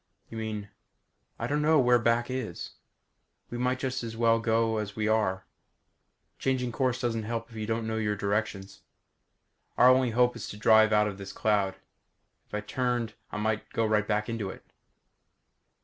"You mean ?" "I don't know where back is. We might just as well go as we are. Changing course doesn't help if you don't know your directions. Our only hope is to drive on out of this cloud. If I turned I might go right back into it."